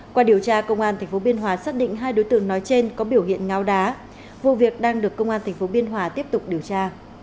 qua điều tra công an tp biên hòa xác định hai đối tượng nói trên có biểu hiện ngáo đá vụ việc đang được công an tp biên hòa tiếp tục điều tra